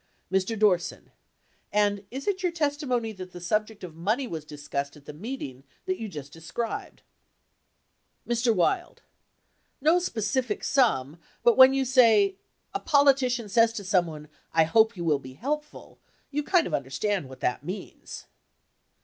Mr. Dorset. And is it your testimony that the subject of money w T as discussed at the meeting that you just described? Mr. Wild. No specific sum, but when you say, "a politician says to someone, I hope you will be helpful," you kind of understand what that means.